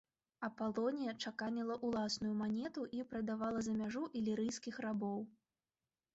Апалонія чаканіла ўласную манету і прадавала за мяжу ілірыйскіх рабоў.